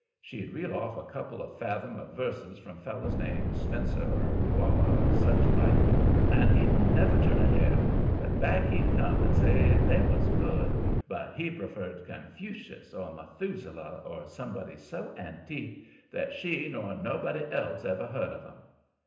She'd reel off a couple of fathom of verses from fellers named Spencer or Waller, or such like, and he'd never turn a hair, but back he'd come and say they was good, but he preferred Confucius, or Methuselah, or somebody so antique that she nor nobody else ever heard of 'em.